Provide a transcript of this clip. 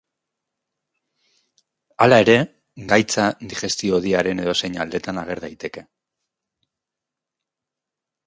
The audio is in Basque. Hala ere, gaitza digestio-hodiaren edozein aldetan ager daiteke.